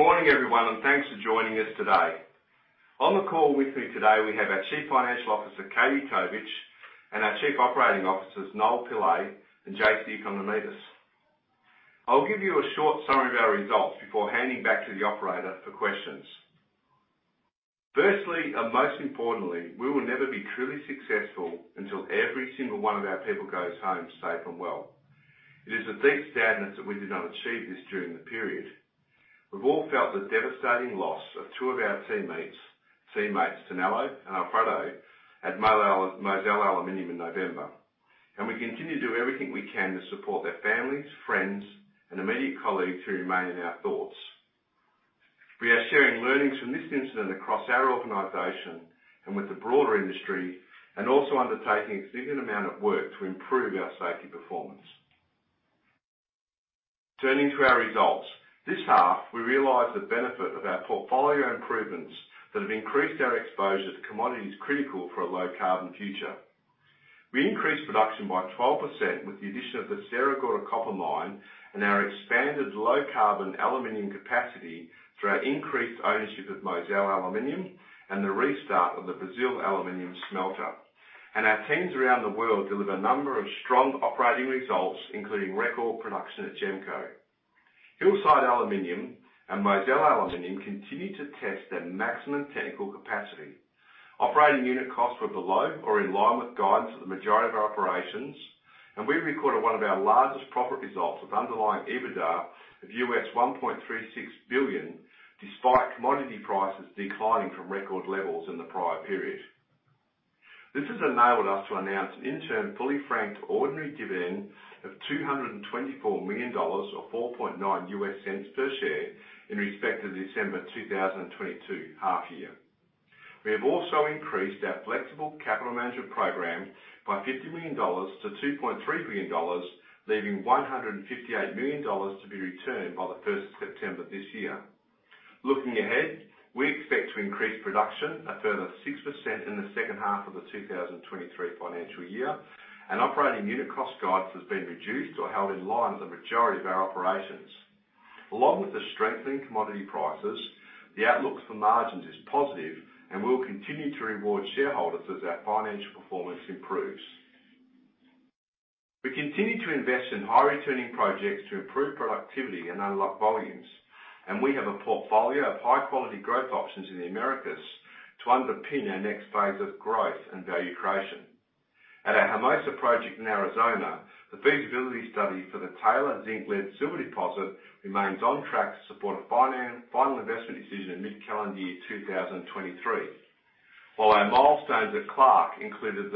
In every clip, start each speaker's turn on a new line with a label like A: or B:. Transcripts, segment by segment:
A: Thank you and good morning, everyone, and thanks for joining us today. On the call with me today, we have our Chief Financial Officer, Katie Tovich, and our Chief Operating Officers, Noel Pillay and Jason Economidis. I'll give you a short summary of our results before handing back to the operator for questions. Firstly, and most importantly, we will never be truly successful until every single one of our people goes home safe and well. It is a deep sadness that we did not achieve this during the period. We've all felt the devastating loss of two of our teammates, Tonela and Alfredo, at Mozal Aluminium in November, and we continue to do everything we can to support their families, friends, and immediate colleagues who remain in our thoughts. We are sharing learnings from this incident across our organization and with the broader industry, and also undertaking a significant amount of work to improve our safety performance. Turning to our results, this half, we realized the benefit of our portfolio improvements that have increased our exposure to commodities critical for a low-carbon future. We increased production by 12% with the addition of the Sierra Gorda Copper Mine and our expanded low-carbon aluminum capacity through our increased ownership of Mozal Aluminium and the restart of the Brazil Aluminium smelter, and our teams around the world deliver a number of strong operating results, including record production at GEMCO. Hillside Aluminium and Mozal Aluminium continue to test their maximum technical capacity. Operating unit costs were below or in line with guidance for the majority of our operations, and we recorded one of our largest profit results with underlying EBITDA of $1.36 billion, despite commodity prices declining from record levels in the prior period. This has enabled us to announce an interim fully franked ordinary dividend of 224 million dollars, or $0.049 per share, in respect of the December 2022 half-year. We have also increased our flexible capital management program by 50 million dollars to 2.3 billion dollars, leaving 158 million dollars to be returned by the 1st of September this year. Looking ahead, we expect to increase production a further 6% in the second half of the 2023 financial year, and operating unit cost guidance has been reduced or held in line with the majority of our operations. Along with the strengthening commodity prices, the outlook for margins is positive, and we will continue to reward shareholders as our financial performance improves. We continue to invest in high-returning projects to improve productivity and unlock volumes, and we have a portfolio of high-quality growth options in the Americas to underpin our next phase of growth and value creation. At our Hermosa project in Arizona, the feasibility study for the Taylor zinc-lead-silver deposit remains on track to support a final investment decision in mid-calendar year 2023, while our milestones at Clark included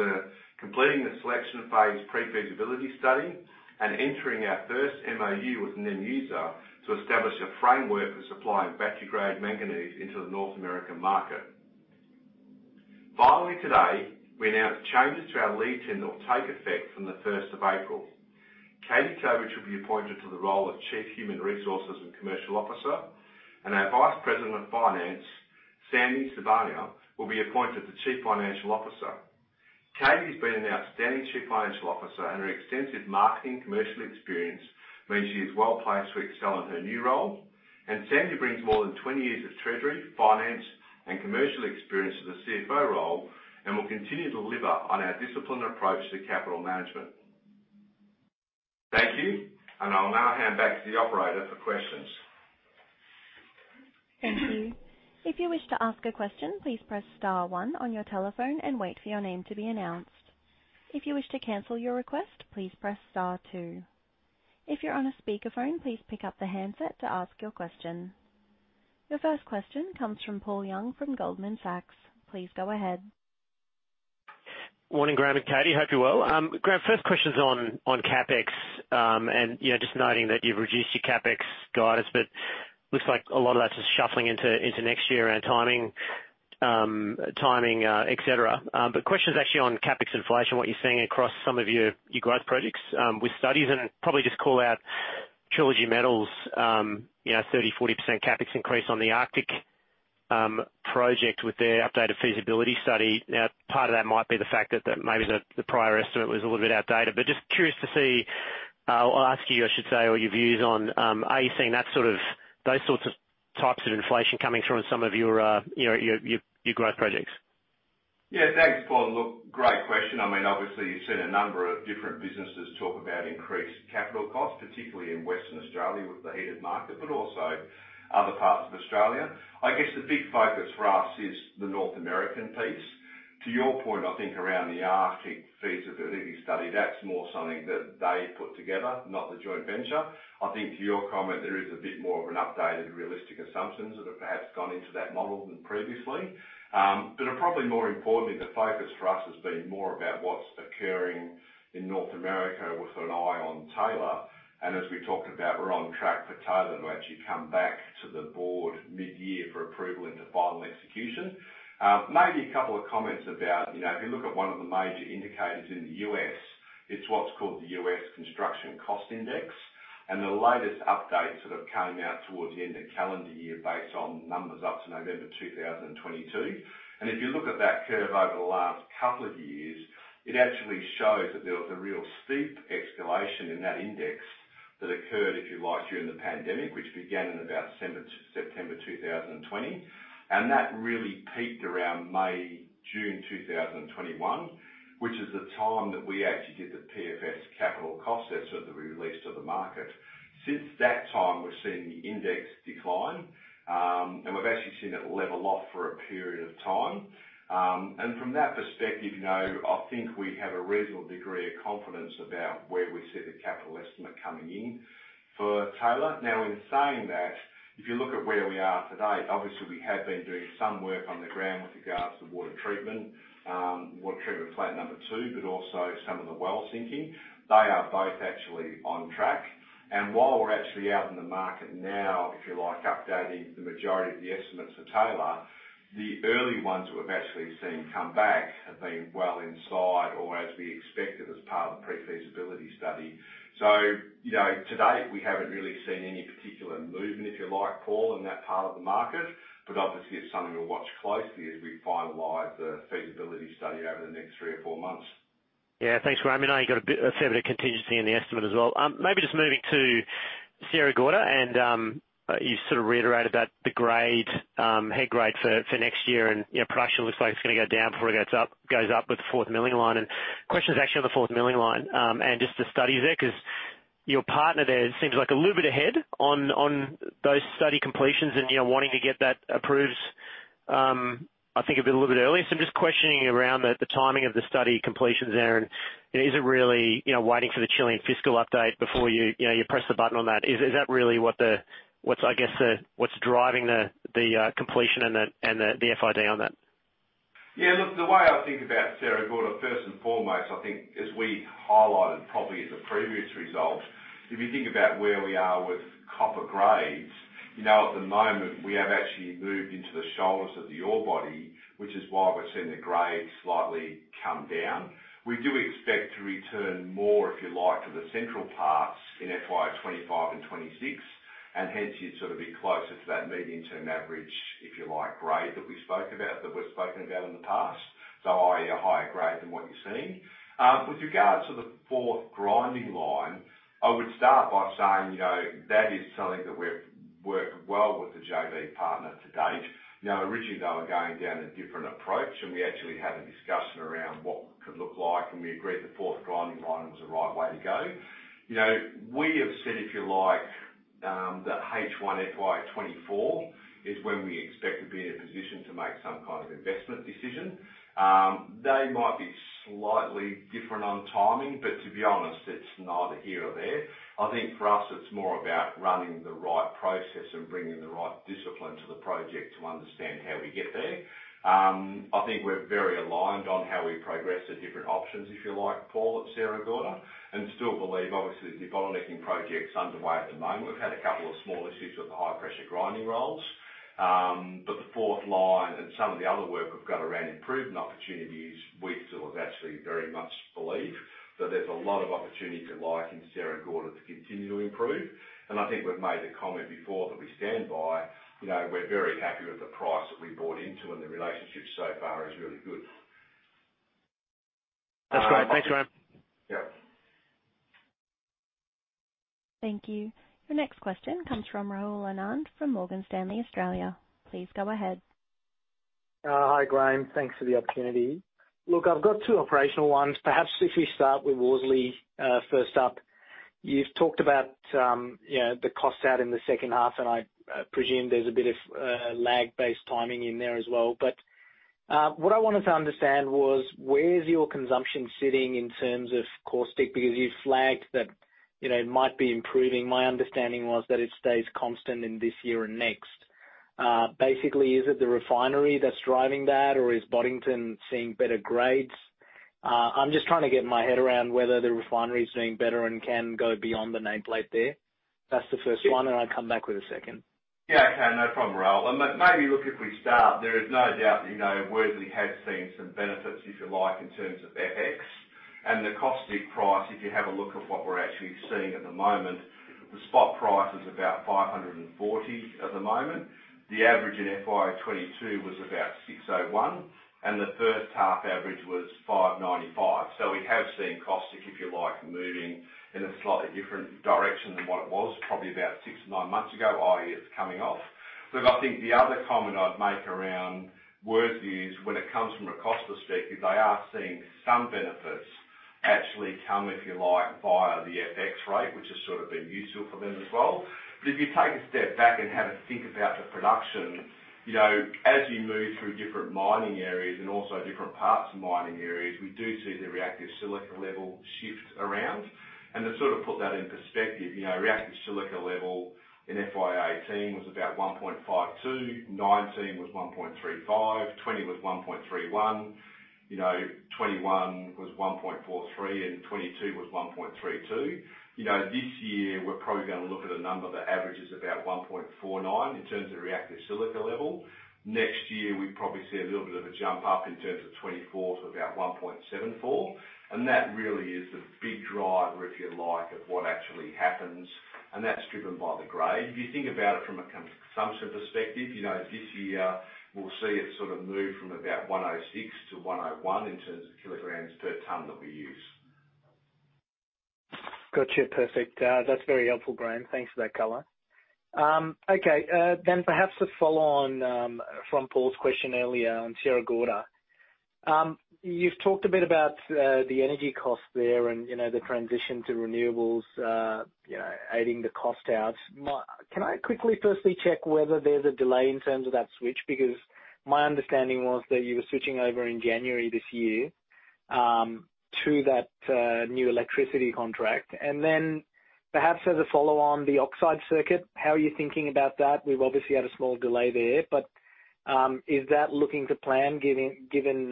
A: completing the selection phase pre-feasibility study and entering our first MOU with an end user to establish a framework for supplying battery-grade manganese into the North American market. Finally, today, we announced changes to our leadership team that will take effect from the 1st of April. Katie Tovich will be appointed to the role of Chief Human Resources and Commercial Officer, and our Vice President of Finance, Sandy Sibenaler, will be appointed the Chief Financial Officer. Katie has been an outstanding Chief Financial Officer, and her extensive marketing and commercial experience means she is well placed to excel in her new role, and Sandy brings more than 20 years of Treasury, Finance, and Commercial experience to the CFO role and will continue to deliver on our disciplined approach to capital management. Thank you, and I'll now hand back to the operator for questions.
B: Thank you. If you wish to ask a question, please press star one on your telephone and wait for your name to be announced. If you wish to cancel your request, please press star two. If you're on a speakerphone, please pick up the handset to ask your question. Your first question comes from Paul Young from Goldman Sachs. Please go ahead.
C: Morning, Graham and Katie. Hope you're well. Graham, first question's on CapEx and just noting that you've reduced your CapEx guidance, but looks like a lot of that's just shuffling into next year around timing, etc. But the question's actually on CapEx inflation, what you're seeing across some of your growth projects with studies, and probably just call out Trilogy Metals' 30%-40% CapEx increase on the Arctic project with their updated feasibility study. Now, part of that might be the fact that maybe the prior estimate was a little bit outdated, but just curious to see or ask you, I should say, or your views on, are you seeing those sorts of types of inflation coming through in some of your growth projects?
A: Yeah, thanks, Paul. Look, great question. I mean, obviously, you've seen a number of different businesses talk about increased capital costs, particularly in Western Australia with the heated market, but also other parts of Australia. I guess the big focus for us is the North American piece. To your point, I think around the Arctic feasibility study, that's more something that they put together, not the joint venture. I think to your comment, there is a bit more of an updated realistic assumption that have perhaps gone into that model than previously. But probably more importantly, the focus for us has been more about what's occurring in North America with an eye on Taylor, and as we talked about, we're on track for Taylor to actually come back to the board mid-year for approval into final execution. Maybe a couple of comments about, if you look at one of the major indicators in the U.S., it's what's called the U.S. Construction Cost Index, and the latest updates sort of came out towards the end of calendar year based on numbers up to November 2022, and if you look at that curve over the last couple of years, it actually shows that there was a real steep escalation in that index that occurred, if you like, during the pandemic, which began in about September 2020, and that really peaked around May, June 2021, which is the time that we actually did the PFS capital cost estimate that we released to the market. Since that time, we've seen the index decline, and we've actually seen it level off for a period of time. From that perspective, I think we have a reasonable degree of confidence about where we see the capital estimate coming in for Taylor. Now, in saying that, if you look at where we are today, obviously, we have been doing some work on the ground with regards to water treatment, water treatment plant number two, but also some of the well sinking. They are both actually on track. And while we're actually out in the market now, if you like, updating the majority of the estimates for Taylor, the early ones that we've actually seen come back have been well inside or as we expected as part of the pre-feasibility study. So to date, we haven't really seen any particular movement, if you like, Paul, in that part of the market, but obviously, it's something we'll watch closely as we finalize the feasibility study over the next three or four months.
C: Yeah, thanks, Graham. You know, you've got a fair bit of contingency in the estimate as well. Maybe just moving to Sierra Gorda, and you sort of reiterated that the grade, head grade for next year and production looks like it's going to go down before it goes up with the fourth milling line. And the question's actually on the fourth milling line and just the studies there because your partner there seems like a little bit ahead on those study completions and wanting to get that approved, I think, a little bit early. So I'm just questioning around the timing of the study completions there and is it really waiting for the Chilean fiscal update before you press the button on that? Is that really what's, I guess, what's driving the completion and the FID on that?
A: Yeah, look, the way I think about Sierra Gorda, first and foremost, I think, as we highlighted probably in the previous results, if you think about where we are with copper grades, at the moment, we have actually moved into the shoulders of the ore body, which is why we're seeing the grade slightly come down. We do expect to return more, if you like, to the central parts in FY25 and 2026, and hence, you'd sort of be closer to that medium-term average, if you like, grade that we spoke about, that we've spoken about in the past, so i.e., a higher grade than what you're seeing. With regards to the fourth grinding line, I would start by saying that is something that we've worked well with the JV partner to date. Originally, they were going down a different approach, and we actually had a discussion around what could look like, and we agreed the fourth grinding line was the right way to go. We have said, if you like, that H1 FY24 is when we expect to be in a position to make some kind of investment decision. They might be slightly different on timing, but to be honest, it's neither here nor there. I think for us, it's more about running the right process and bringing the right discipline to the project to understand how we get there. I think we're very aligned on how we progress the different options, if you like, Paul, at Sierra Gorda, and still believe, obviously, the debottlenecking project's underway at the moment. We've had a couple of small issues with the high-pressure grinding rolls, but the fourth line and some of the other work we've got around improvement opportunities. We still have actually very much believe that there's a lot of opportunity, if you like, in Sierra Gorda to continue to improve. And I think we've made the comment before that we stand by. We're very happy with the price that we bought into, and the relationship so far is really good.
C: That's great. Thanks, Graham.
B: Thank you. Your next question comes from Rahul Anand from Morgan Stanley, Australia. Please go ahead.
D: Hi, Graham. Thanks for the opportunity. Look, I've got two operational ones. Perhaps if we start with Worsley first up. You've talked about the costs out in the second half, and I presume there's a bit of lag-based timing in there as well. But what I wanted to understand was where's your consumption sitting in terms of caustic? Because you've flagged that it might be improving. My understanding was that it stays constant in this year and next. Basically, is it the refinery that's driving that, or is Boddington seeing better grades? I'm just trying to get my head around whether the refinery's doing better and can go beyond the nameplate there. That's the first one, and I'll come back with a second.
A: Yeah, okay. No problem, Rahul. And maybe look, if we start, there is no doubt that Worsley has seen some benefits, if you like, in terms of FX. And the caustic price, if you have a look at what we're actually seeing at the moment, the spot price is about 540 at the moment. The average in FY22 was about 601, and the first half average was 595. So we have seen caustic, if you like, moving in a slightly different direction than what it was probably about six to nine months ago, i.e., it's coming off. Look, I think the other comment I'd make around Worsley is when it comes from a cost perspective, they are seeing some benefits actually come, if you like, via the FX rate, which has sort of been useful for them as well. But if you take a step back and have a think about the production, as you move through different mining areas and also different parts of mining areas, we do see the reactive silica level shift around. And to sort of put that in perspective, reactive silica level in FY2018 was about 1.52, FY2019 was 1.35, FY2020 was 1.31, FY2021 was 1.43, and FY2022 was 1.32. This year, we're probably going to look at a number that averages about 1.49 in terms of reactive silica level. Next year, we probably see a little bit of a jump up in terms of FY2024 to about 1.74. And that really is the big driver, if you like, of what actually happens, and that's driven by the grade. If you think about it from a consumption perspective, this year, we'll see it sort of move from about 106 to 101 in terms of kilograms per tonne that we use.
D: Gotcha. Perfect. That's very helpful, Graham. Thanks for that color. Okay. Then perhaps to follow on from Paul's question earlier on Sierra Gorda, you've talked a bit about the energy cost there and the transition to renewables aiding the cost out. Can I quickly firstly check whether there's a delay in terms of that switch? Because my understanding was that you were switching over in January this year to that new electricity contract. And then perhaps as a follow-on, the oxide circuit, how are you thinking about that? We've obviously had a small delay there, but is that looking to plan given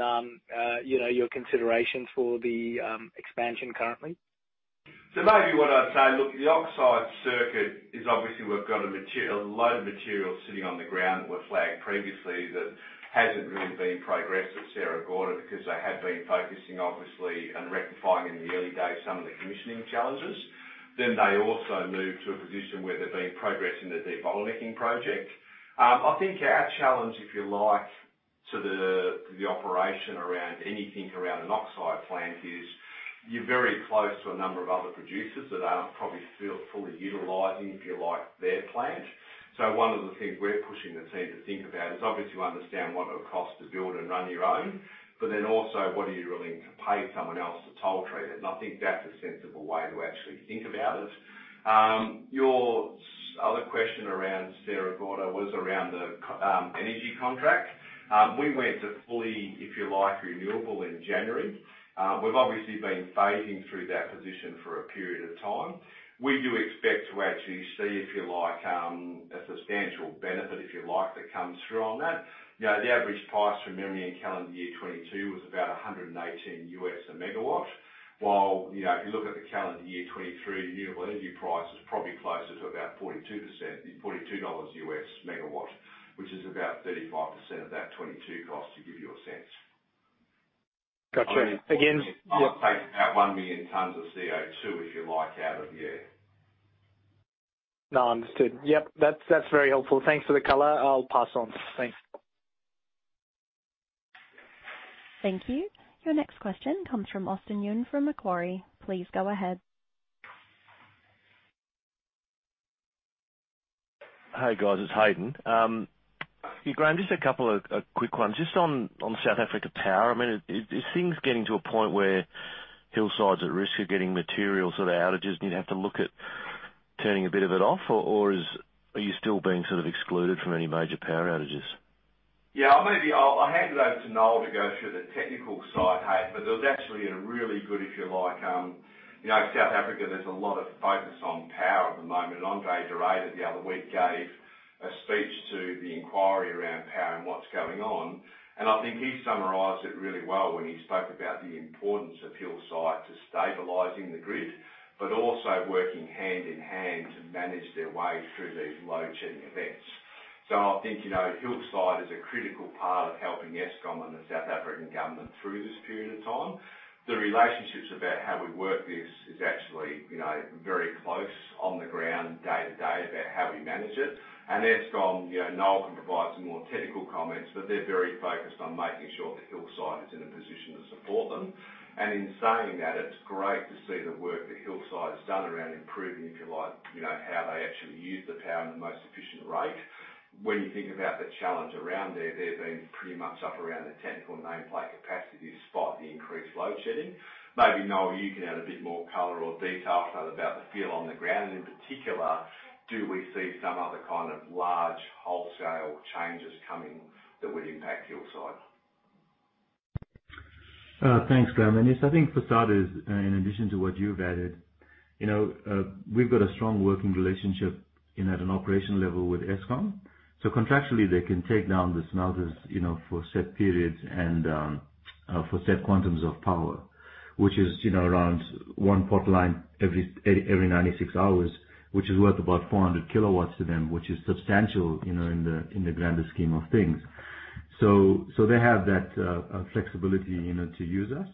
D: your considerations for the expansion currently?
A: So maybe what I'd say, look, the oxide circuit is obviously we've got a load of materials sitting on the ground that were flagged previously that hasn't really been progressed at Sierra Gorda because they had been focusing, obviously, and rectifying in the early days some of the commissioning challenges. Then they also moved to a position where there's been progress in the debottlenecking project. I think our challenge, if you like, to the operation around anything around an oxide plant is you're very close to a number of other producers that aren't probably fully utilizing, if you like, their plant. So one of the things we're pushing the team to think about is obviously understand what it costs to build and run your own, but then also what are you willing to pay someone else to toll treat it? I think that's a sensible way to actually think about it. Your other question around Sierra Gorda was around the energy contract. We went to fully, if you like, renewable in January. We've obviously been phasing through that position for a period of time. We do expect to actually see, if you like, a substantial benefit, if you like, that comes through on that. The average price from memory in calendar year 2022 was about $118 a megawatt, while if you look at the calendar year 2023, renewable energy price was probably closer to about $42 a megawatt, which is about 35% of that 2022 cost, to give you a sense.
D: Gotcha. Again, yeah.
A: You're talking about one million tonnes of CO2, if you like, out of the year.
D: No, understood. Yep. That's very helpful. Thanks for the color. I'll pass on. Thanks.
B: Thank you. Your next question comes from Hayden Bairstow from Macquarie. Please go ahead.
E: Hey, guys. It's Hayden. Yeah, Graham, just a couple of quick ones. Just on South Africa power, I mean, is things getting to a point where Hillside is at risk of getting material sort of outages and you'd have to look at turning a bit of it off, or are you still being sort of excluded from any major power outages?
A: Yeah, I handed over to Noel to go through the technical side, Hayden, but there was actually a really good, if you like, South Africa, there's a lot of focus on power at the moment. André de Ruyter the other week gave a speech to the inquiry around power and what's going on. I think he summarized it really well when he spoke about the importance of Hillside to stabilizing the grid, but also working hand in hand to manage their way through these load shedding events. I think Hillside is a critical part of helping Eskom and the South African government through this period of time. The relationships about how we work this is actually very close on the ground day to day about how we manage it. Eskom, Noel can provide some more technical comments, but they're very focused on making sure that Hillside is in a position to support them. In saying that, it's great to see the work that Hillside has done around improving, if you like, how they actually use the power in the most efficient way. When you think about the challenge around there, they've been pretty much up around the technical nameplate capacity despite the increased load shedding. Maybe Noel, you can add a bit more color or detail to that about the feel on the ground, and in particular, do we see some other kind of large wholesale changes coming that would impact Hillside?
F: Thanks, Graham. And yes, I think for starters, in addition to what you've added, we've got a strong working relationship at an operational level with Eskom. So contractually, they can take down the smelters for set periods and for set quantums of power, which is around one potline every 96 hours, which is worth about 400 kilowatts to them, which is substantial in the grander scheme of things. So they have that flexibility to use us.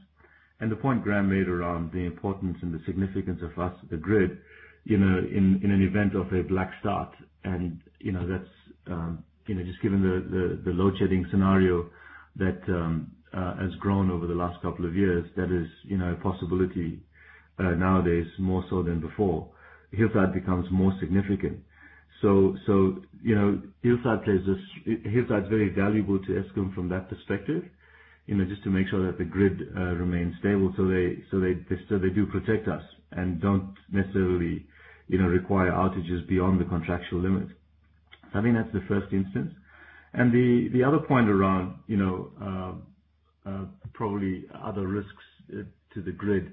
F: And the point Graham made around the importance and the significance of us, the grid, in an event of a black start, and that's just given the load shedding scenario that has grown over the last couple of years, that is a possibility nowadays more so than before. Hillside becomes more significant. Hillside plays this. Hillside's very valuable to Eskom from that perspective, just to make sure that the grid remains stable so they do protect us and don't necessarily require outages beyond the contractual limit. I think that's the first instance. The other point around probably other risks to the grid,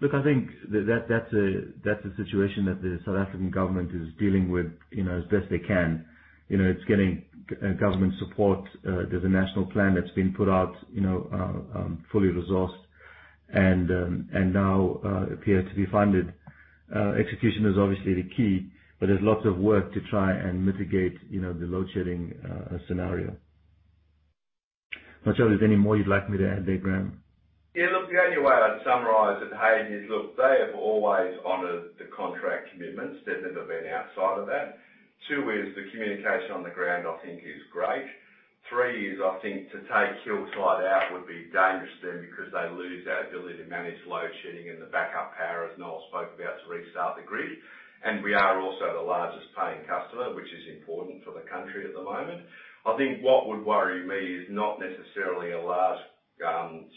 F: look, I think that's a situation that the South African government is dealing with as best they can. It's getting government support. There's a national plan that's been put out, fully resourced, and now appears to be funded. Execution is obviously the key, but there's lots of work to try and mitigate the load shedding scenario. Not sure there's any more you'd like me to add there, Graham?
A: Yeah, look, the only way I'd summarize it, Hayden, is look, they have always honored the contract commitments. They've never been outside of that. Two is the communication on the ground, I think, is great. Three is I think to take Hillside out would be dangerous to them because they lose that ability to manage load shedding and the backup power as Noel spoke about to restart the grid. And we are also the largest paying customer, which is important for the country at the moment. I think what would worry me is not necessarily a large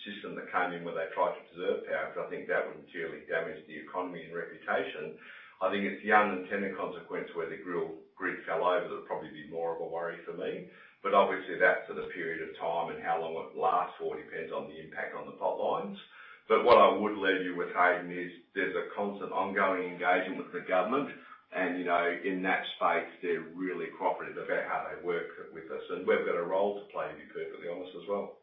A: system that came in where they tried to preserve power, because I think that would materially damage the economy and reputation. I think it's the unintended consequence where the grid fell over that would probably be more of a worry for me. But obviously, that's for the period of time and how long it lasts all depends on the impact on the potlines. But what I would leave you with, Hayden, is there's a constant ongoing engagement with the government, and in that space, they're really cooperative about how they work with us. And we've got a role to play, to be perfectly honest, as well.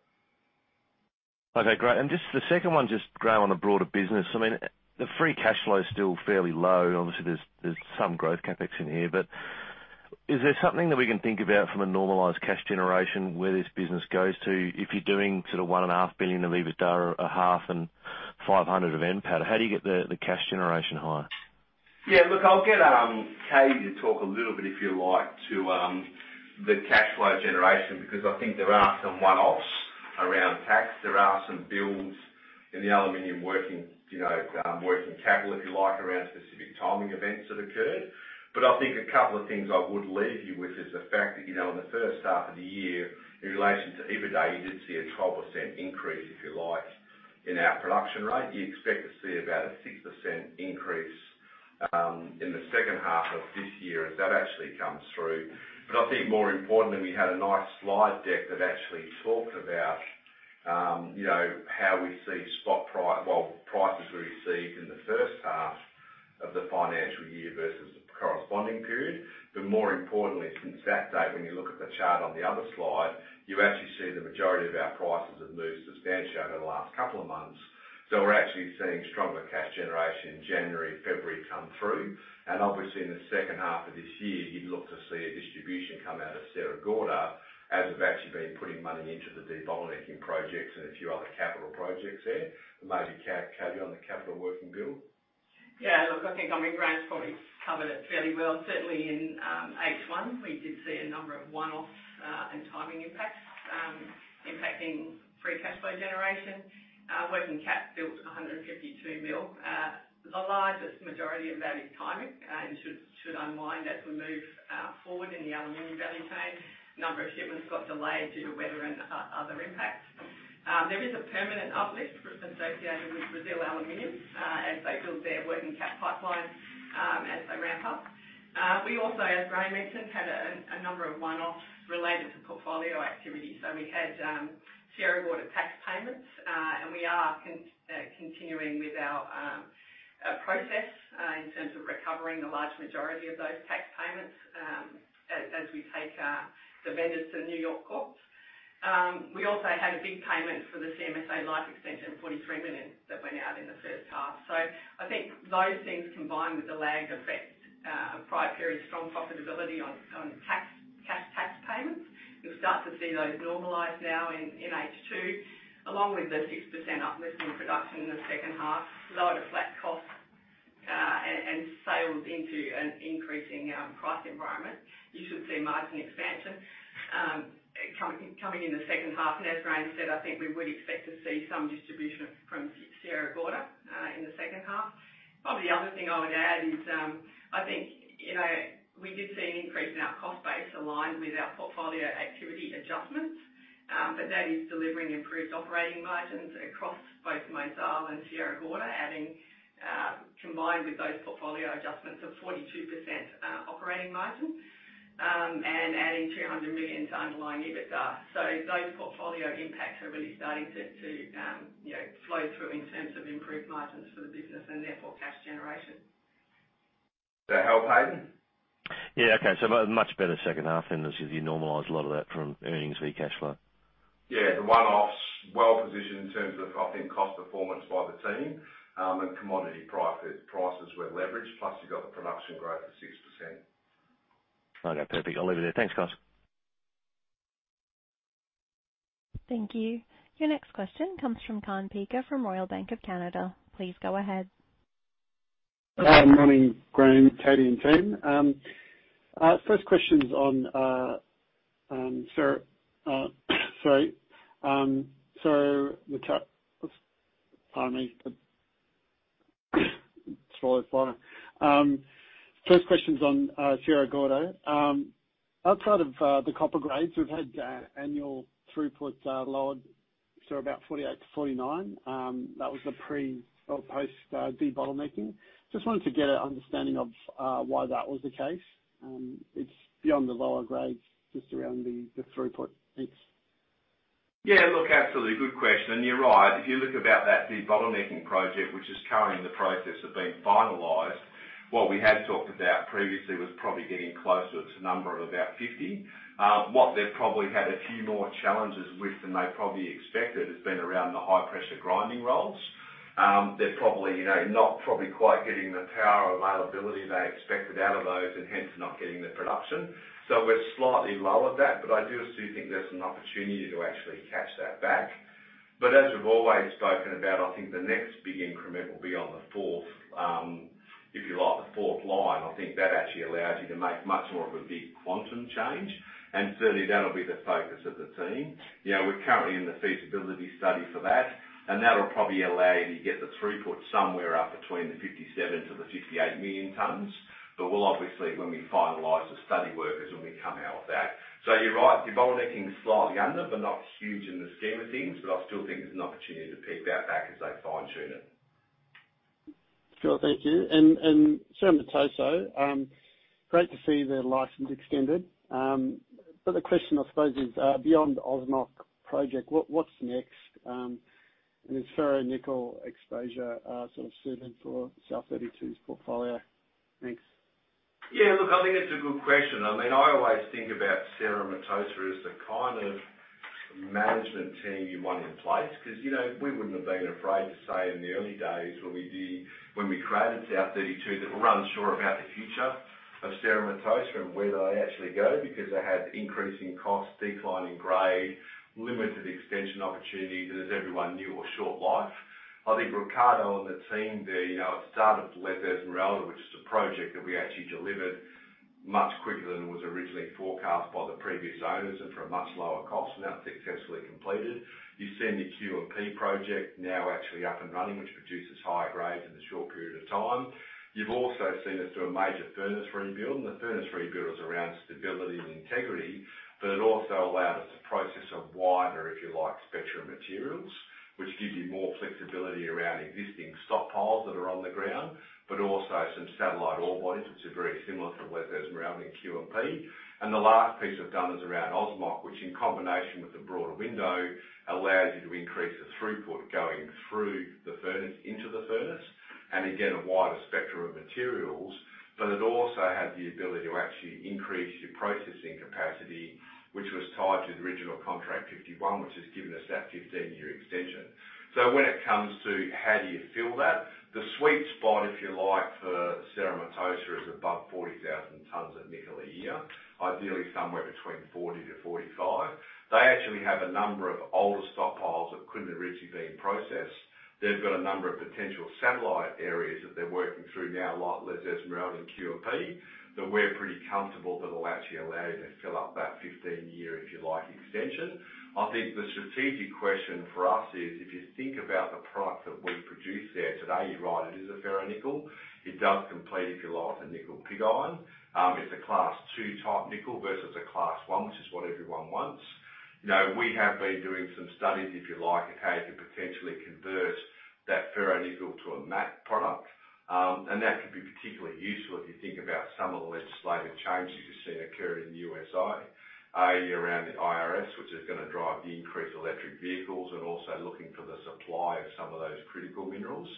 G: Okay, great, and just the second one, just Graham, on the broader business. I mean, the free cash flow is still fairly low. Obviously, there's some growth CapEx in here, but is there something that we can think about from a normalized cash generation where this business goes to? If you're doing sort of $1.5 billion of EV, $0.5 billion and $500 million of NPAT, how do you get the cash generation higher?
A: Yeah, look, I'll get Katie to talk a little bit, if you like, to the cash flow generation, because I think there are some one-offs around tax. There are some bills in the aluminum working capital, if you like, around specific timing events that occurred. But I think a couple of things I would leave you with is the fact that in the first half of the year, in relation to Worsley Alumina, you did see a 12% increase, if you like, in our production rate. You expect to see about a 6% increase in the second half of this year as that actually comes through. But I think more importantly, we had a nice slide deck that actually talked about how we see spot prices, well, prices we received in the first half of the financial year versus the corresponding period. But more importantly, since that date, when you look at the chart on the other slide, you actually see the majority of our prices have moved substantially over the last couple of months. So we're actually seeing stronger cash generation in January, February come through. And obviously, in the second half of this year, you'd look to see a distribution come out of Sierra Gorda as opposed to actually putting money into the debottlenecking projects and a few other capital projects there. Maybe Katie, on the capital, working capital?
H: Yeah, look, I think Graham's probably covered it fairly well. Certainly in H1, we did see a number of one-offs and timing impacts impacting free cash flow generation. Working cap built 152 million. The largest majority of that is timing and should unwind as we move forward in the aluminum value chain. A number of shipments got delayed due to weather and other impacts. There is a permanent uplift associated with Brazil Aluminum as they build their working cap pipeline as they ramp up. We also, as Graham mentioned, had a number of one-offs related to portfolio activity. So we had Sierra Gorda tax payments, and we are continuing with our process in terms of recovering the large majority of those tax payments as we take the vendors to New York courts. We also had a big payment for the CMSA life extension, $43 million, that went out in the first half. So I think those things combined with the lag effect prior period strong profitability on cash tax payments. You'll start to see those normalize now in H2, along with the 6% uplift in production in the second half, lower to flat costs, and sailing into an increasing price environment. You should see margin expansion coming in the second half. As Graham said, I think we would expect to see some distribution from Sierra Gorda in the second half. Probably the other thing I would add is I think we did see an increase in our cost base aligned with our portfolio activity adjustments, but that is delivering improved operating margins across both Mozal and Sierra Gorda, combined with those portfolio adjustments of 42% operating margin and adding $200 million to underlying EBITDA. So those portfolio impacts are really starting to flow through in terms of improved margins for the business and therefore cash generation.
A: Did that help, Hayden?
G: Yeah, okay. So much better second half than as you normalize a lot of that from earnings via cash flow.
A: Yeah, the one-offs well positioned in terms of, I think, cost performance by the team and commodity prices were leveraged, plus you've got the production growth of 6%.
E: Okay, perfect. I'll leave it there. Thanks, guys.
B: Thank you. Your next question comes from Kaan Peker from RBC Capital Markets. Please go ahead.
I: Morning, Graham, Katie, and team. First question's on Sierra Gorda. Outside of the copper grades, we've had annual throughput lowered to about 48-49. That was the pre or post debottlenecking. Just wanted to get an understanding of why that was the case. It's beyond the lower grades, just around the throughput.
A: Yeah, look, absolutely. Good question. And you're right. If you look about that debottlenecking project, which is currently in the process of being finalized, what we had talked about previously was probably getting closer to a number of about 50. What they probably had a few more challenges with than they probably expected has been around the high-pressure grinding rolls. They're probably not quite getting the power availability they expected out of those and hence not getting the production. So we're slightly low at that, but I do still think there's an opportunity to actually catch that back. But as we've always spoken about, I think the next big increment will be on the fourth, if you like, the fourth line. I think that actually allows you to make much more of a big quantum change. And certainly, that'll be the focus of the team. We're currently in the feasibility study for that, and that'll probably allow you to get the throughput somewhere up between 57 to 58 million tonnes. But we'll obviously, when we finalize the study work, is when we come out of that. So you're right. De-bottlenecking's slightly under, but not huge in the scheme of things. But I still think there's an opportunity to pick that back as they fine-tune it.
I: Sure, thank you. And Cerro Matoso, great to see the license extended. But the question, I suppose, is beyond the OSMOC project, what's next? And is ferronickel exposure sort of suited for South32's portfolio? Thanks.
A: Yeah, look, I think it's a good question. I mean, I always think about Cerro Matoso as the kind of management team you want in place, because we wouldn't have been afraid to say in the early days when we created South32 that we're unsure about the future of Cerro Matoso and where they actually go, because they had increasing costs, declining grade, limited extension opportunities, and as everyone knew, a short life. I think Ricardo and the team there, it started with La Esmeralda, which is a project that we actually delivered much quicker than it was originally forecast by the previous owners and for a much lower cost, and that's successfully completed. You've seen the Q&P project now actually up and running, which produces higher grades in a short period of time. You've also seen us do a major furnace rebuild, and the furnace rebuild was around stability and integrity, but it also allowed us to process a wider, if you like, spectrum of materials, which gives you more flexibility around existing stockpiles that are on the ground, but also some satellite ore bodies, which are very similar to La Esmeralda and Q&P. And the last piece we've done is around OSMOC, which in combination with the broader window allows you to increase the throughput going through the furnace into the furnace and again, a wider spectrum of materials, but it also has the ability to actually increase your processing capacity, which was tied to the original contract 51, which has given us that 15-year extension. When it comes to how do you fill that, the sweet spot, if you like, for Cerro Matoso is above 40,000 tonnes of nickel a year, ideally somewhere between 40 to 45. They actually have a number of older stockpiles that couldn't originally be processed. They've got a number of potential satellite areas that they're working through now, like La Esmeralda and Q&P, that we're pretty comfortable that'll actually allow you to fill up that 15-year, if you like, extension. I think the strategic question for us is, if you think about the product that we produce there today, you're right, it is a ferronickel. It does compete with, if you like, the nickel pig iron. It's a Class 2 type nickel versus a Class 1, which is what everyone wants. We have been doing some studies, if you like, of how you could potentially convert that ferronickel to a matte product, and that could be particularly useful if you think about some of the legislative changes you've seen occur in USA, around the IRA, which is going to drive the increase of electric vehicles and also looking for the supply of some of those critical minerals.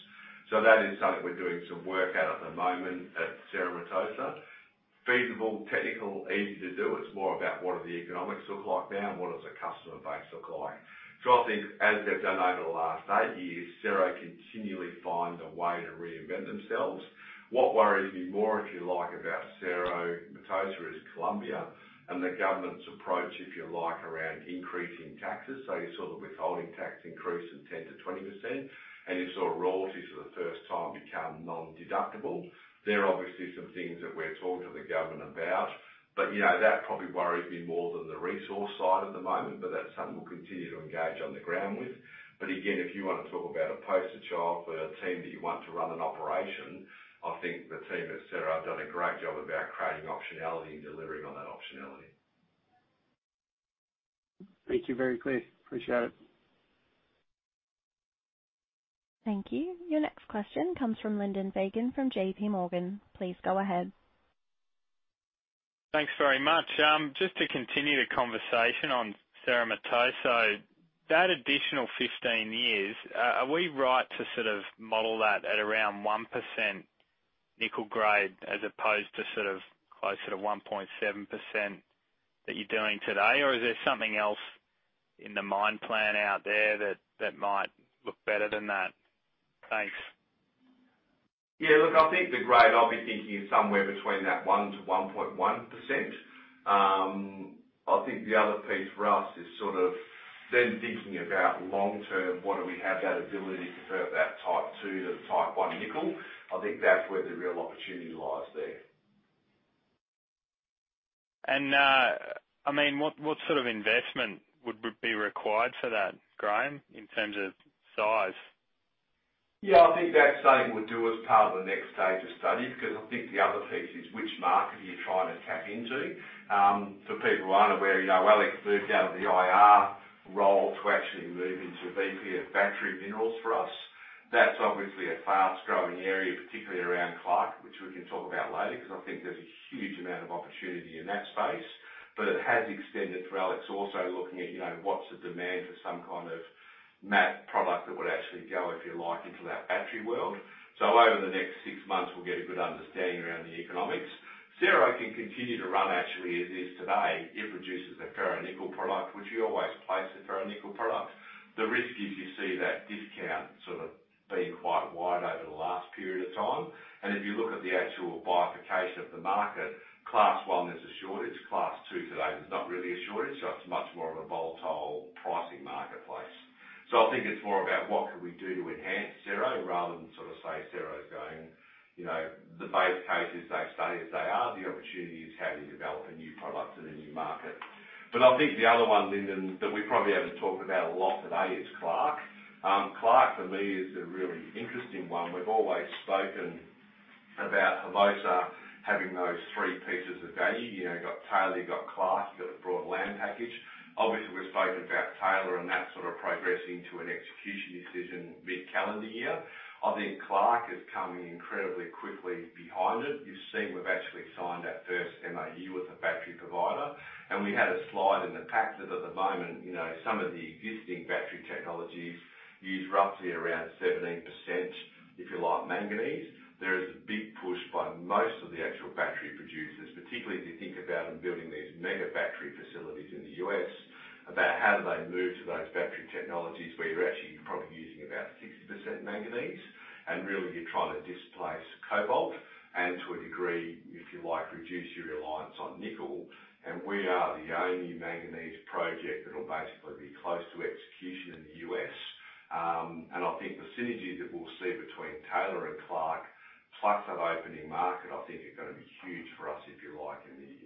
A: So that is something we're doing some work at the moment at Cerro Matoso. Feasible, technical, easy to do. It's more about what do the economics look like now and what does the customer base look like. So I think as they've done over the last eight years, Cerro continually find a way to reinvent themselves. What worries me more, if you like, about Cerro Matoso is Colombia and the government's approach, if you like, around increasing taxes. You saw the withholding tax increase from 10%-20%, and you saw royalties for the first time become non-deductible. There are obviously some things that we're talking to the government about, but that probably worries me more than the resource side at the moment, but that's something we'll continue to engage on the ground with. But again, if you want to talk about a poster child for a team that you want to run an operation, I think the team at Cerro have done a great job about creating optionality and delivering on that optionality.
I: Thank you. Very clear. Appreciate it.
B: Thank you. Your next question comes from Lyndon Fagan from J.P. Morgan. Please go ahead.
J: Thanks very much. Just to continue the conversation on Cerro Matoso, that additional 15 years, are we right to sort of model that at around 1% nickel grade as opposed to sort of closer to 1.7% that you're doing today, or is there something else in the mind plan out there that might look better than that? Thanks.
A: Yeah, look, I think the grade I'll be thinking is somewhere between that 1-1.1%. I think the other piece for us is sort of then thinking about long term, what do we have that ability to convert that type two to type one nickel? I think that's where the real opportunity lies there.
J: I mean, what sort of investment would be required for that, Graham, in terms of size?
A: Yeah, I think that's something we'll do as part of the next stage of study, because I think the other piece is which market are you trying to tap into? For people who aren't aware, Alex moved out of the IR role to actually move into VP of battery minerals for us. That's obviously a fast growing area, particularly around Clark, which we can talk about later, because I think there's a huge amount of opportunity in that space. But it has extended to Alex also looking at what's the demand for some kind of matte product that would actually go, if you like, into that battery world. So over the next six months, we'll get a good understanding around the economics. Cerro can continue to run actually as is today if produces a ferronickel product, which you always place a ferronickel product. The risk is you see that discount sort of being quite wide over the last period of time. And if you look at the actual bifurcation of the market, Class 1 is a shortage, Class 2 today is not really a shortage, so it's much more of a volatile pricing marketplace. So I think it's more about what can we do to enhance Cerro rather than sort of say Cerro is going the base case is they've studied as they are, the opportunity is how do you develop a new product in a new market. But I think the other one, Lyndon, that we probably haven't talked about a lot today is Clark. Clark for me is a really interesting one. We've always spoken about Hermosa having those three pieces of value. You've got Taylor, you've got Clark, you've got the broad land package. Obviously, we've spoken about Taylor and that sort of progressing to an execution decision mid-calendar year. I think Clark is coming incredibly quickly behind it. You've seen we've actually signed that first MOU with the battery provider. And we had a slide in the pack that at the moment, some of the existing battery technologies use roughly around 17%, if you like, manganese. There is a big push by most of the actual battery producers, particularly if you think about them building these mega battery facilities in the U.S., about how do they move to those battery technologies where you're actually probably using about 60% manganese and really you're trying to displace cobalt and to a degree, if you like, reduce your reliance on nickel. And we are the only manganese project that will basically be close to execution in the U.S. And I think the synergy that we'll see between Taylor and Clark, plus that opening market, I think is going to be huge for us, if you like,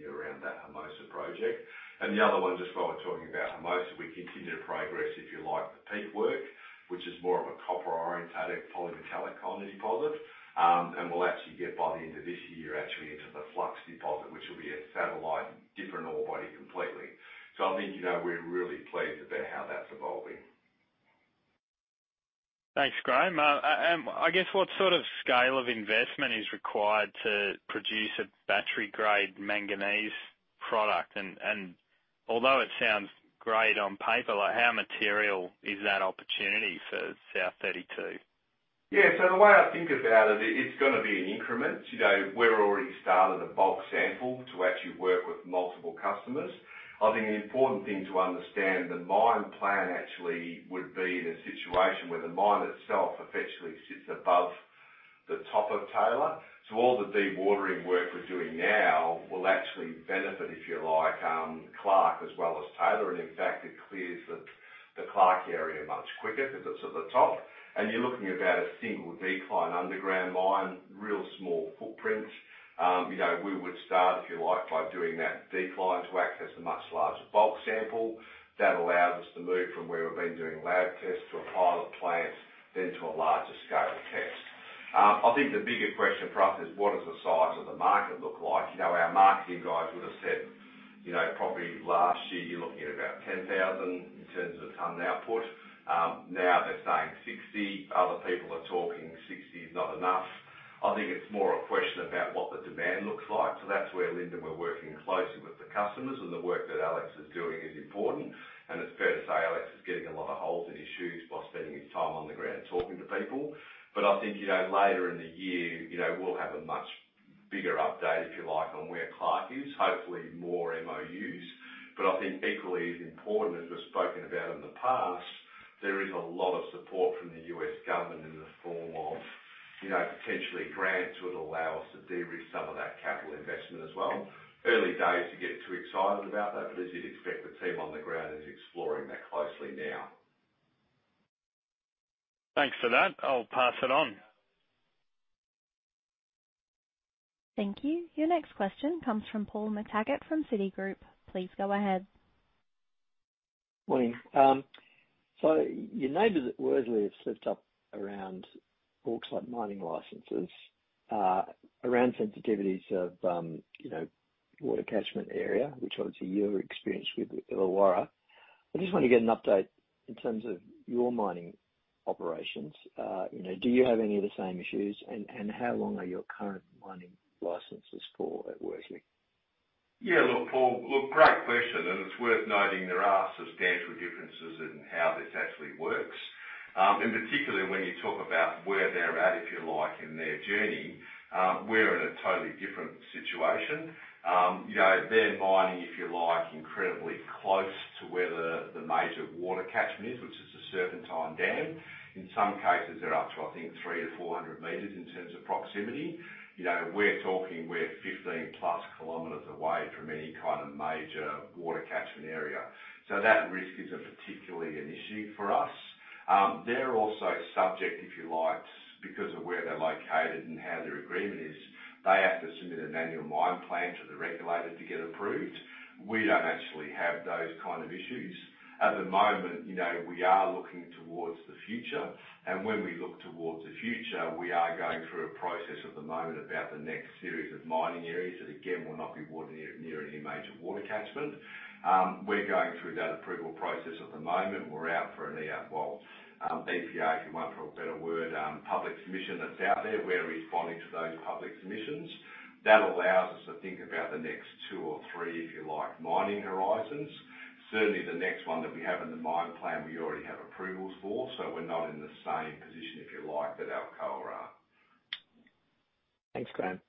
A: around that Hermosa project. And the other one, just while we're talking about Hermosa, we continue to progress, if you like, the Peake work, which is more of a copper-orientated polymetallic quantity deposit. And we'll actually get by the end of this year into the Flux deposit, which will be a satellite, different ore body completely. So I think we're really pleased about how that's evolving.
J: Thanks, Graham. And I guess what sort of scale of investment is required to produce a battery-grade manganese product? And although it sounds great on paper, how material is that opportunity for South32?
A: Yeah, so the way I think about it, it's going to be an increment. We've already started a bulk sample to actually work with multiple customers. I think an important thing to understand, the mine plan actually would be in a situation where the mine itself effectively sits above the top of Taylor. So all the dewatering work we're doing now will actually benefit, if you like, Clark as well as Taylor. And in fact, it clears the Clark area much quicker because it's at the top. And you're looking about a single decline underground mine, real small footprint. We would start, if you like, by doing that decline to access a much larger bulk sample. That allows us to move from where we've been doing lab tests to a pilot plant, then to a larger scale test. I think the bigger question for us is, what does the size of the market look like? Our marketing guys would have said probably last year you're looking at about 10,000 in terms of a ton output. Now they're saying 60. Other people are talking 60 is not enough. I think it's more a question about what the demand looks like. So that's where, Lyndon, we're working closely with the customers, and the work that Alex is doing is important. And it's fair to say Alex is getting a lot of holes in his shoes by spending his time on the ground talking to people. But I think later in the year, we'll have a much bigger update, if you like, on where Clark is, hopefully more MOUs. But I think equally as important as we've spoken about in the past, there is a lot of support from the U.S. government in the form of potentially grants that would allow us to de-risk some of that capital investment as well. Early days to get too excited about that, but as you'd expect, the team on the ground is exploring that closely now.
J: Thanks for that. I'll pass it on.
B: Thank you. Your next question comes from Paul McTaggart from Citigroup. Please go ahead.
K: Morning. So you noted that Worsley have slipped up around Alcoa mining licenses, around sensitivities of water catchment area, which obviously you're experienced with at Illawarra. I just want to get an update in terms of your mining operations. Do you have any of the same issues, and how long are your current mining licenses for at Worsley?
A: Yeah, look, Paul, look, great question. And it's worth noting there are substantial differences in how this actually works. In particular, when you talk about where they're at, if you like, in their journey, we're in a totally different situation. They're mining, if you like, incredibly close to where the major water catchment is, which is the Serpentine Dam. In some cases, they're up to, I think, 300-400 meters in terms of proximity. We're talking. We're 15 plus kilometers away from any kind of major water catchment area. So that risk isn't particularly an issue for us. They're also subject, if you like, because of where they're located and how their agreement is, they have to submit an annual mine plan to the regulator to get approved. We don't actually have those kind of issues. At the moment, we are looking towards the future. When we look toward the future, we are going through a process at the moment about the next series of mining areas that, again, will not be near any major water catchment. We're going through that approval process at the moment. We're out for an, well, API, if you want, for a better word, public submission that's out there. We're responding to those public submissions. That allows us to think about the next two or three, if you like, mining horizons. Certainly, the next one that we have in the mine plan, we already have approvals for, so we're not in the same position, if you like, that Alcoa are.
K: Thanks, Graham.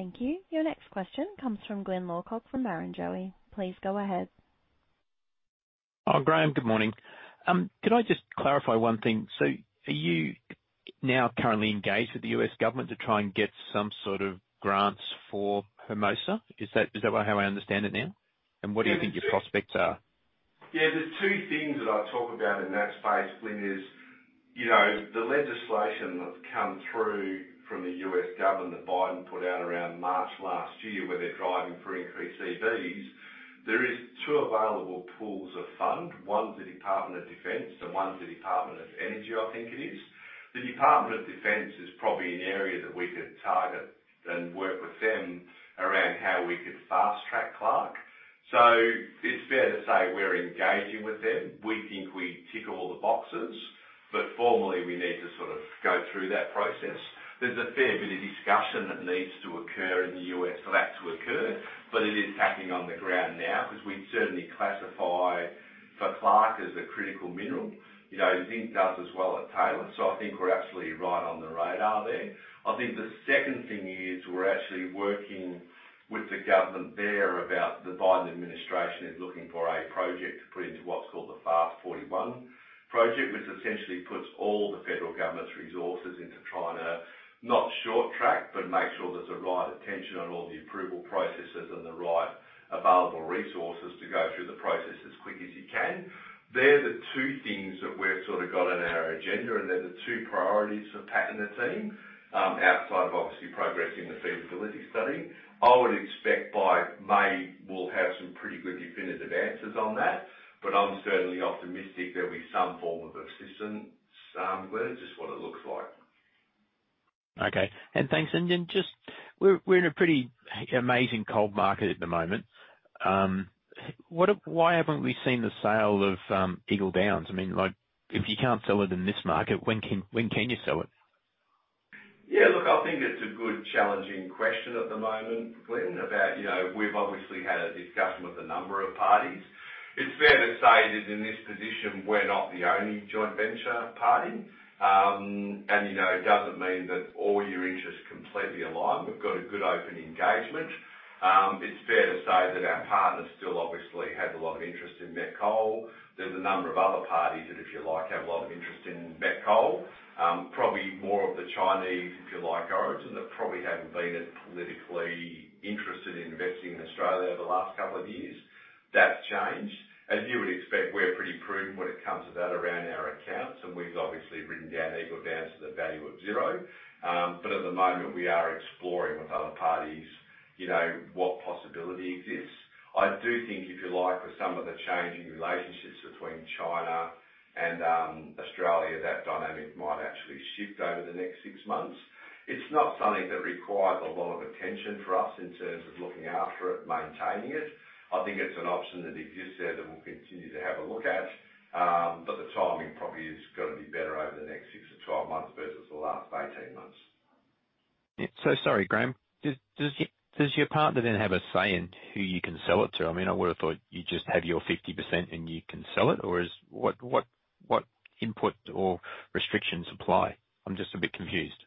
B: Thank you. Your next question comes from Glyn Lawcock from Barrenjoey. Please go ahead.
L: Graham, good morning. Could I just clarify one thing? So are you now currently engaged with the U.S. government to try and get some sort of grants for Hermosa? Is that how I understand it now? And what do you think your prospects are?
A: Yeah, the two things that I talk about in that space, Glyn, is the legislation that's come through from the U.S. government that Biden put out around March last year where they're driving for increased EVs. There are two available pools of funds, one for the Department of Defense and one for the Department of Energy, I think it is. The Department of Defense is probably an area that we could target and work with them around how we could fast track Clark. So it's fair to say we're engaging with them. We think we tick all the boxes, but formally, we need to sort of go through that process. There's a fair bit of discussion that needs to occur in the U.S. for that to occur, but it is happening on the ground now because we certainly classify Clark as a critical mineral. Zinc does as well at Taylor. So I think we're absolutely right on the radar there. I think the second thing is we're actually working with the government there about the Biden administration is looking for a project to put into what's called the FAST-41 project, which essentially puts all the federal government's resources into trying to not shortcut, but make sure there's the right attention on all the approval processes and the right available resources to go through the process as quick as you can. They're the two things that we've sort of got on our agenda, and they're the two priorities for Pat and the team outside of obviously progressing the feasibility study. I would expect by May, we'll have some pretty good definitive answers on that, but I'm certainly optimistic there'll be some form of assistance, Glyn. It's just what it looks like.
L: Okay. Thanks, Lyndon. Just, we're in a pretty amazing cold market at the moment. Why haven't we seen the sale of Eagle Downs? I mean, if you can't sell it in this market, when can you sell it?
A: Yeah, look, I think it's a good challenging question at the moment, Glyn, about. We've obviously had a discussion with a number of parties. It's fair to say that in this position, we're not the only joint venture party. And it doesn't mean that all your interests completely align. We've got a good open engagement. It's fair to say that our partners still obviously have a lot of interest in met coal. There's a number of other parties that, if you like, have a lot of interest in met coal. Probably more of the Chinese, if you like, are our owners and that probably haven't been as politically interested in investing in Australia over the last couple of years. That's changed. As you would expect, we're pretty prudent when it comes to that around our accounts, and we've obviously written down Eagle Downs to the value of zero. But at the moment, we are exploring with other parties what possibility exists. I do think, if you like, with some of the changing relationships between China and Australia, that dynamic might actually shift over the next six months. It's not something that requires a lot of attention for us in terms of looking after it, maintaining it. I think it's an option that exists there that we'll continue to have a look at, but the timing probably is going to be better over the next six to 12 months versus the last 18 months.
L: So sorry, Graham. Does your partner then have a say in who you can sell it to? I mean, I would have thought you just have your 50% and you can sell it, or what input or restrictions apply? I'm just a bit confused.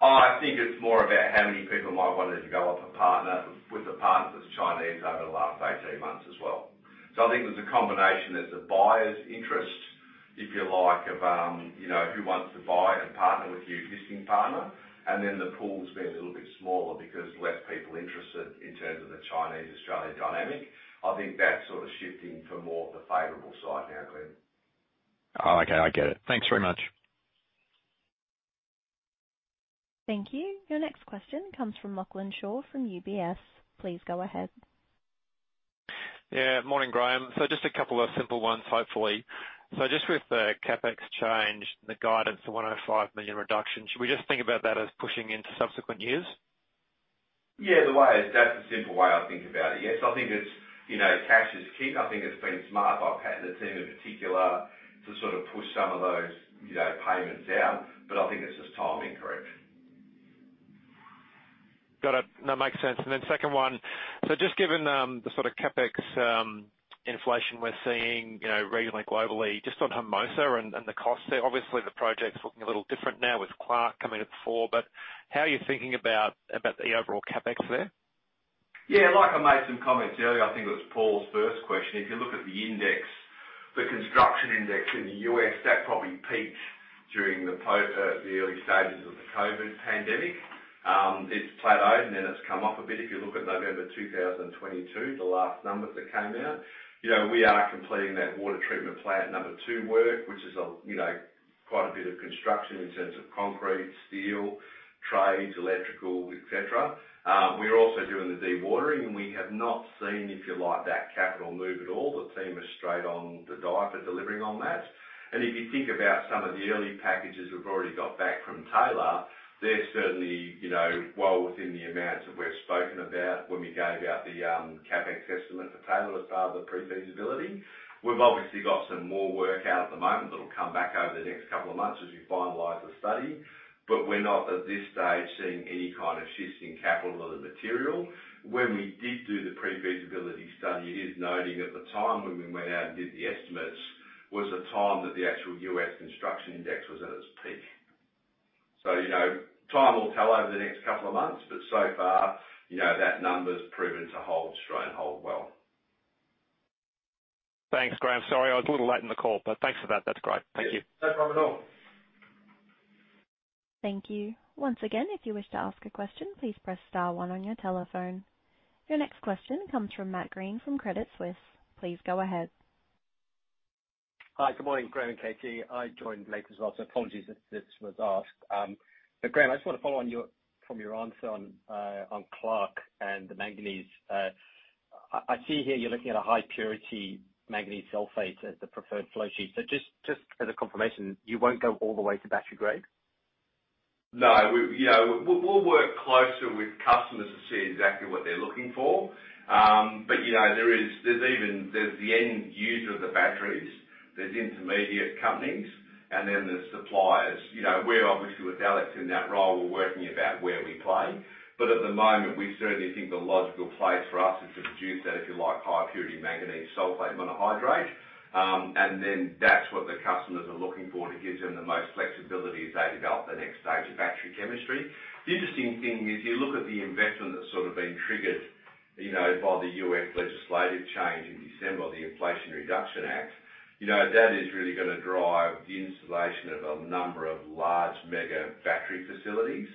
A: I think it's more about how many people might want to develop a partner with the partners that are Chinese over the last 18 months as well. So I think there's a combination. There's a buyer's interest, if you like, of who wants to buy and partner with your existing partner. And then the pool's been a little bit smaller because less people are interested in terms of the Chinese-Australia dynamic. I think that's sort of shifting to more of the favorable side now, Glyn.
L: Oh, okay. I get it. Thanks very much.
B: Thank you. Your next question comes from Lachlan Shaw from UBS. Please go ahead.
M: Yeah. Morning, Graham. So just a couple of simple ones, hopefully. So just with the CapEx change and the guidance, the $105 million reduction, should we just think about that as pushing into subsequent years?
A: Yeah, that's the simple way I think about it, yes. I think cash is key. I think it's been smart by Pat and the team in particular to sort of push some of those payments out, but I think it's just timing, correct.
M: Got it. That makes sense. And then second one, so just given the sort of CapEx inflation we're seeing regionally, globally, just on Hermosa and the costs there, obviously the project's looking a little different now with Clark coming to the fore, but how are you thinking about the overall CapEx there?
A: Yeah, like I made some comments earlier, I think it was Paul's first question. If you look at the index, the construction index in the U.S., that probably peaked during the early stages of the COVID pandemic. It's plateaued and then it's come up a bit. If you look at November 2022, the last numbers that came out, we are completing that water treatment plant number two work, which is quite a bit of construction in terms of concrete, steel, trades, electrical, etc. We're also doing the dewatering, and we have not seen, if you like, that capital move at all. The team are straight on the job at delivering on that. And if you think about some of the early packages we've already got back from Taylor, they're certainly well within the amounts that we've spoken about when we gave out the CapEx estimate for Taylor as part of the pre-feasibility. We've obviously got some more work out at the moment that'll come back over the next couple of months as we finalize the study, but we're not at this stage seeing any kind of shift in capital or the material. When we did do the pre-feasibility study, it's worth noting at the time when we went out and did the estimates was the time that the actual U.S. construction index was at its peak. So time will tell over the next couple of months, but so far, that number's proven to hold straight and hold well.
M: Thanks, Graham. Sorry, I was a little late in the call, but thanks for that. That's great. Thank you.
A: No problem at all.
B: Thank you. Once again, if you wish to ask a question, please press star one on your telephone. Your next question comes from Matt Greene from Credit Suisse. Please go ahead.
N: Hi, good morning. Graham and Katie. I joined later as well. So apologies if this was asked. But Graham, I just want to follow on from your answer on Clark and the manganese. I see here you're looking at a high-purity manganese sulfate as the preferred flow sheet. So just as a confirmation, you won't go all the way to battery grade?
A: No. We'll work closer with customers to see exactly what they're looking for. But there's the end user of the batteries, there's intermediate companies, and then there's suppliers. We're obviously with Alex in that role. We're working about where we play. But at the moment, we certainly think the logical place for us is to produce that, if you like, high-purity manganese sulfate monohydrate. And then that's what the customers are looking for to give them the most flexibility as they develop the next stage of battery chemistry. The interesting thing is you look at the investment that's sort of been triggered by the U.S. legislative change in December, the Inflation Reduction Act. That is really going to drive the installation of a number of large mega battery facilities.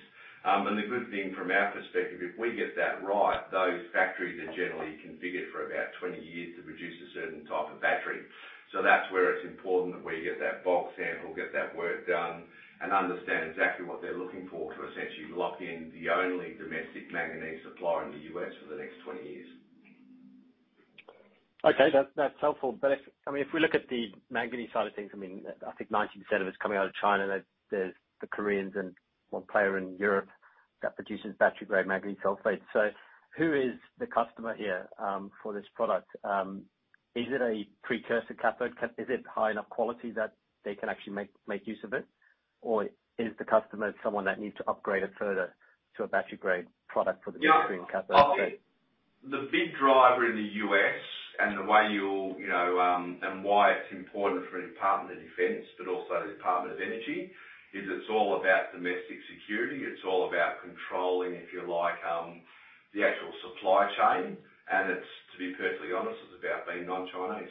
A: The good thing from our perspective, if we get that right, those factories are generally configured for about 20 years to produce a certain type of battery. That's where it's important that we get that bulk sample, get that work done, and understand exactly what they're looking for to essentially lock in the only domestic manganese supplier in the U.S. for the next 20 years.
N: Okay. That's helpful. But I mean, if we look at the manganese side of things, I mean, I think 90% of it's coming out of China. There's the Koreans and one player in Europe that produces battery-grade manganese sulfate. So who is the customer here for this product? Is it a precursor cathode? Is it high enough quality that they can actually make use of it? Or is the customer someone that needs to upgrade it further to a battery-grade product for the midstream cathode?
A: Yeah. I think the big driver in the U.S., and the way, well, and why it's important for the Department of Defense, but also the Department of Energy, is, it's all about domestic security. It's all about controlling, if you like, the actual supply chain, and to be perfectly honest, it's about being non-Chinese.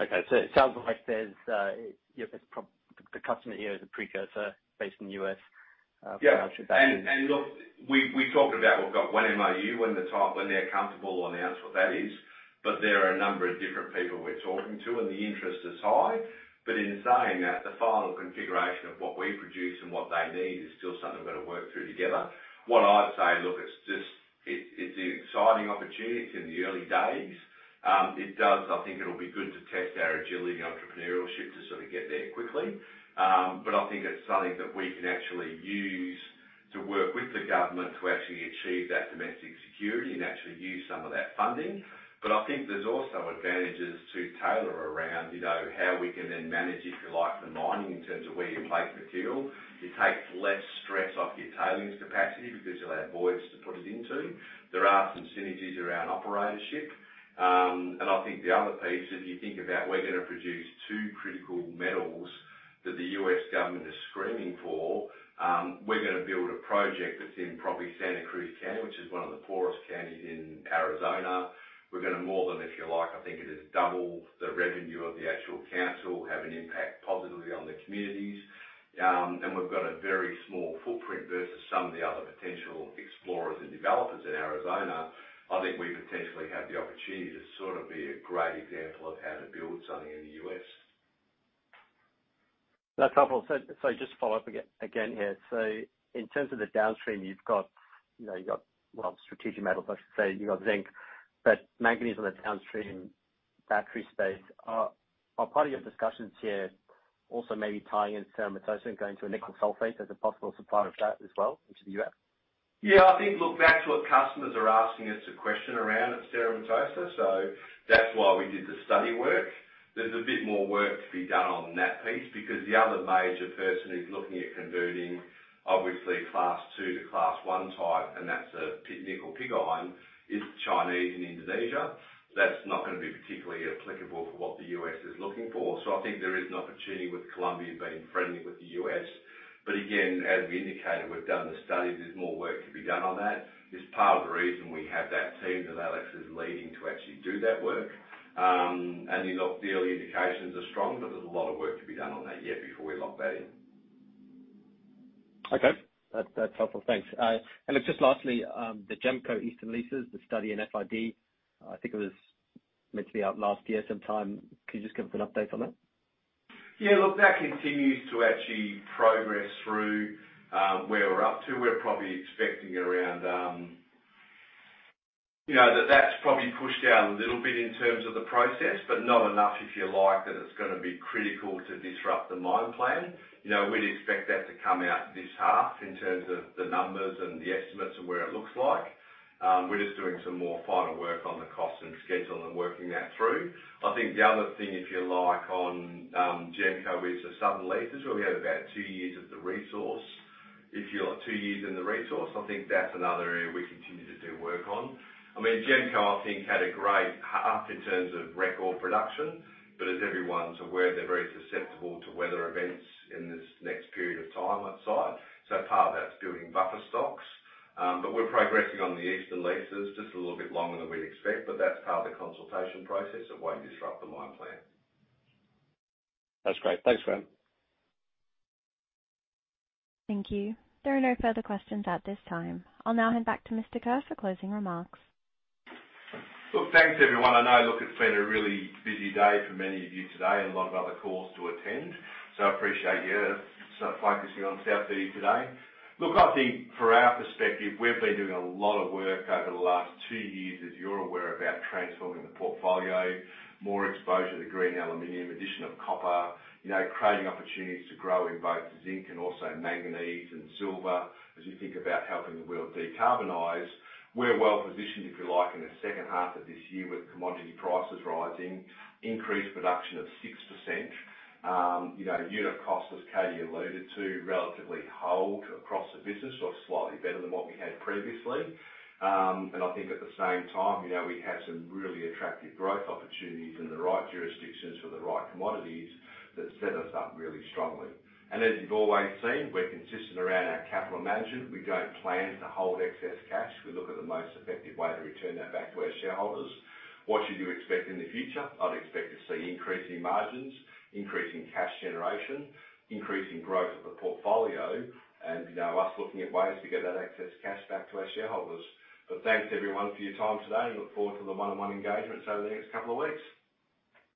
N: Okay, so it sounds like the customer here is a precursor based in the U.S. for actual batteries.
A: Yeah. And look, we talked about we've got one MOU when they're comfortable to announce what that is. But there are a number of different people we're talking to, and the interest is high. But in saying that, the final configuration of what we produce and what they need is still something we've got to work through together. What I'd say, look, it's an exciting opportunity in the early days. It does, I think it'll be good to test our agility and entrepreneurship to sort of get there quickly. But I think it's something that we can actually use to work with the government to actually achieve that domestic security and actually use some of that funding. But I think there's also advantages to Taylor around how we can then manage, if you like, the mining in terms of where you place material. It takes less stress off your tailings capacity because you'll have voids to put it into. There are some synergies around operatorship. And I think the other piece, if you think about we're going to produce two critical metals that the U.S. government is screaming for, we're going to build a project that's in probably Santa Cruz County, which is one of the poorest counties in Arizona. We're going to more than, if you like, I think it is double the revenue of the actual council, have an impact positively on the communities. And we've got a very small footprint versus some of the other potential explorers and developers in Arizona. I think we potentially have the opportunity to sort of be a great example of how to build something in the U.S.
N: That's helpful. So just to follow up again here. So in terms of the downstream, you've got strategic metals, I should say. You've got zinc. But manganese on the downstream battery space. Are part of your discussions here also maybe tying in Cerro Matoso going to a nickel sulfate as a possible supplier of that as well into the U.S.?
A: Yeah. I think look back to what customers are asking us questions around Cerro Matoso. So that's why we did the study work. There's a bit more work to be done on that piece because the other major players who's looking at converting, obviously, Class 2 to Class 1 type, and that's a nickel pig iron, is China and Indonesia. That's not going to be particularly applicable for what the U.S. is looking for. So I think there is an opportunity with Colombia being friendly with the U.S. But again, as we indicated, we've done the study. There's more work to be done on that. It's part of the reason we have that team that Alex is leading to actually do that work. And the early indications are strong, but there's a lot of work to be done on that yet before we lock that in.
N: Okay. That's helpful. Thanks. And just lastly, the GEMCO Eastern Leases, the study and FID, I think it was meant to be out last year sometime. Can you just give us an update on that?
A: Yeah. Look, that continues to actually progress through where we're up to. We're probably expecting around that that's probably pushed out a little bit in terms of the process, but not enough, if you like, that it's going to be critical to disrupt the mine plan. We'd expect that to come out this half in terms of the numbers and the estimates and where it looks like. We're just doing some more final work on the cost and schedule and working that through. I think the other thing, if you like, on GEMCO is the Southern Leases, where we have about two years of the resource. If you're two years in the resource, I think that's another area we continue to do work on. I mean, GEMCO, I think, had a great half in terms of record production, but as everyone's aware, they're very susceptible to weather events in this next period of time outside. So part of that's building buffer stocks. But we're progressing on the Eastern Leases, just a little bit longer than we'd expect, but that's part of the consultation process of why you disrupt the mine plan.
N: That's great. Thanks, Graham.
B: Thank you. There are no further questions at this time. I'll now hand back to Mr. Kerr for closing remarks.
A: Look, thanks, everyone. I know, look, it's been a really busy day for many of you today and a lot of other calls to attend. So I appreciate you focusing on South32 today. Look, I think for our perspective, we've been doing a lot of work over the last two years, as you're aware, about transforming the portfolio, more exposure to green aluminum, addition of copper, creating opportunities to grow in both zinc and also manganese and silver as we think about helping the world decarbonize. We're well positioned, if you like, in the second half of this year with commodity prices rising, increased production of 6%. Unit cost, as Katie alluded to, relatively flat across the business, so slightly better than what we had previously. And I think at the same time, we have some really attractive growth opportunities in the right jurisdictions for the right commodities that set us up really strongly. And as you've always seen, we're consistent around our capital management. We don't plan to hold excess cash. We look at the most effective way to return that back to our shareholders. What should you expect in the future? I'd expect to see increasing margins, increasing cash generation, increasing growth of the portfolio, and us looking at ways to get that excess cash back to our shareholders. But thanks, everyone, for your time today, and look forward to the one-on-one engagements over the next couple of weeks.